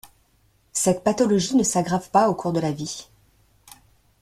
Cette pathologie ne s'aggrave pas au cours de la vie.